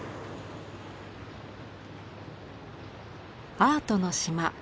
アートの島直島。